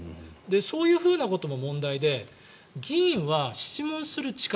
そういうふうなことも問題で議員は質問する力